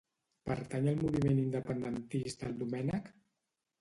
Pertany al moviment independentista el Domènec?